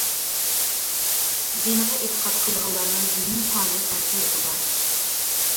دىنغا ئېتىقاد قىلىدىغانلارنىڭ دىنىي پائالىيەت ئەركىنلىكى بار.